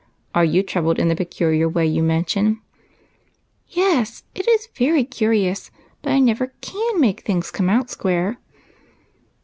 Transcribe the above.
Are you troubled in the pe culiar way you mention ?"" Yes ; it is very curious, but I never can make things come out square."